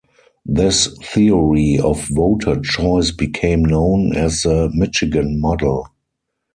This theory of voter choice became known as the Michigan Model.